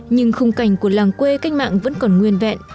nhưng khung cảnh của làng quê cách mạng vẫn còn nguyên vẹn